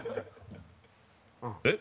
えっ？